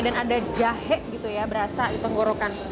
dan ada jahe gitu ya berasa di penggorokan